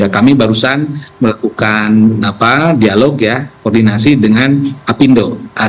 kami barusan melakukan dialog ya koordinasi dengan apindo